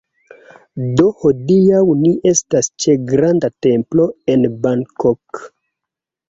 Do hodiaŭ ni estas ĉe granda templo en Bangkok